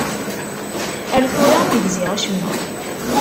Ar tura ur gziɣ acemma.